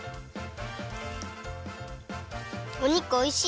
お肉おいしい！